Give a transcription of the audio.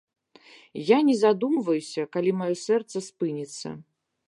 Я не задумваюся, калі маё сэрца спыніцца.